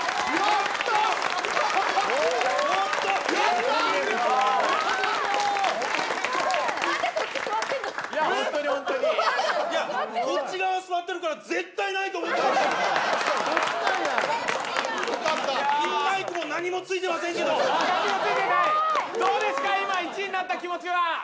今１位になった気持ちは。